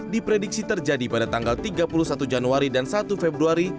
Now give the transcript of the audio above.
diprediksi terjadi pada tanggal tiga puluh satu januari dan satu februari